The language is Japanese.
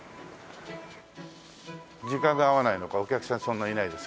時間が合わないのかお客さんそんないないですけどね。